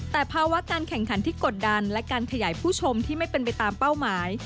แต่ภาวะการแข่งขันที่กดดันและการขยายผู้ชมที่ไม่เป็นไปตามเป้าหมาย